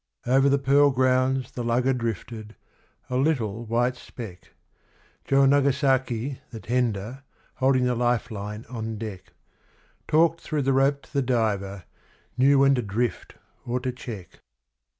Over the pearl grounds, the lugger drifted a little white speck: Joe Nagasaki, the 'tender', holding the life line on deck, Talked through the rope to the diver, knew when to drift or to check.